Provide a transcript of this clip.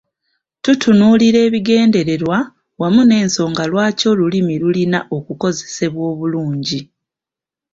Tutunuulira ebigendererwa wamu n'ensonga lwaki olulimi lulina okukozesebwa obulungi.